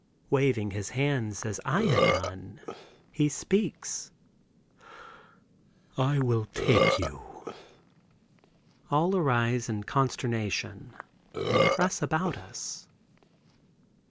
Waving his hands, as I had done, he speaks: "I will take you." All arise in consternation and press about us.